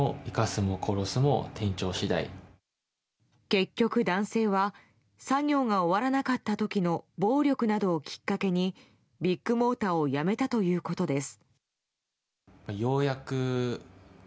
結局、男性は作業が終わらなかった時の暴力などをきっかけにビッグモーターを辞めたということです。